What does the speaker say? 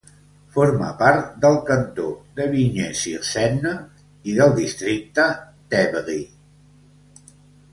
Forma part del cantó de Vigneux-sur-Seine i del districte d'Évry.